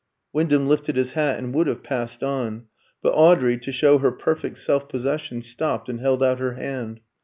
Wyndham lifted his hat and would have passed on; but Audrey, to show her perfect self possession, stopped and held out her hand.